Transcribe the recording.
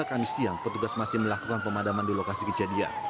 kami siang petugas masih melakukan pemadaman di lokasi kejadian